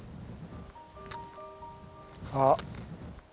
あっ。